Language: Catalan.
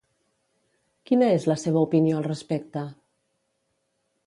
Quina és la seva opinió al respecte?